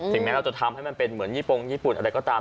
แม้เราจะทำให้มันเป็นเหมือนยี่ปงญี่ปุ่นอะไรก็ตาม